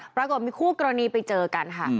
ปรากฏมีคู่กรณีไปเจอกันค่ะ